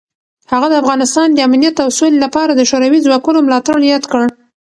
هغه د افغانستان د امنیت او سولې لپاره د شوروي ځواکونو ملاتړ یاد کړ.